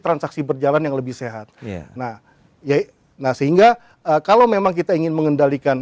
transaksi berjalan yang lebih sehat nah ya nah sehingga kalau memang kita ingin mengendalikan